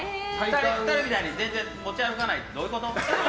２人みたいに、全然持ち歩かないってどういうこと？